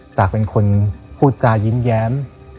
จากเป็นคนพูดจายิ้มแย้ม